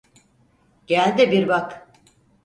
Gel de bir bak.